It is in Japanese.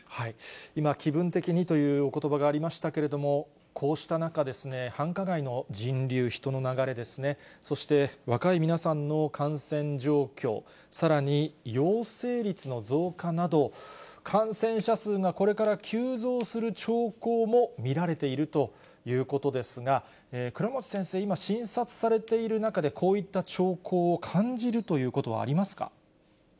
今、気分的にというおことばがありましたけれども、こうした中、繁華街の人流・人の流れですね、そして若い皆さんの感染状況、さらに陽性率の増加など、感染者数がこれから急増する兆候も見られているということですが、倉持先生、今、診察されている中で、こういった兆候を感じるということはありますか。